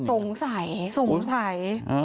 สงสัยสงสัย